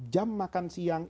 jam makan siang